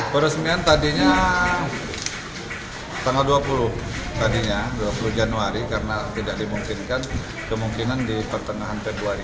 peresmian tadinya tanggal dua puluh januari karena tidak dimungkinkan kemungkinan di pertengahan februari